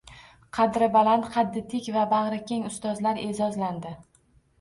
Qadri baland, qaddi tik va bag‘rikeng ustozlar e’zozlandi